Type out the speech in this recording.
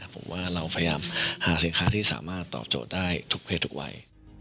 ผมว่าเราพยายามหาสินค้าที่สามารถตอบโจทย์ได้ทุกเพศทุกวัย